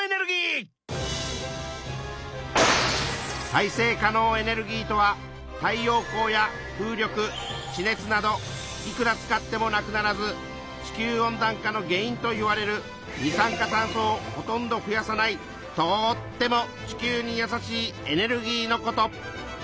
再生可能エネルギーとは太陽光や風力地熱などいくら使ってもなくならず地球温暖化の原因といわれる二酸化炭素をほとんど増やさないとっても地球に優しいエネルギーのこと。